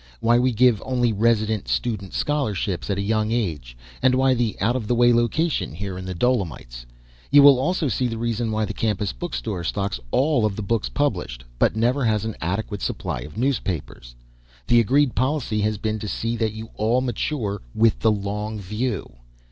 Why we give only resident student scholarships at a young age, and why the out of the way location here in the Dolomites. You will also see the reason why the campus bookstore stocks all of the books published, but never has an adequate supply of newspapers. The agreed policy has been to see that you all mature with the long view.